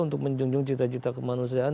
untuk menjunjung cita cita kemanusiaan